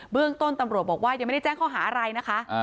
เรื่องต้นตำรวจบอกว่ายังไม่ได้แจ้งข้อหาอะไรนะคะ